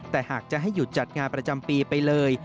แต่หากจะให้หยุดจัดงานประจำปีไปเลย